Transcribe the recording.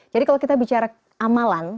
jadi kalau kita bicara amalan